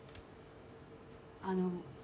あの。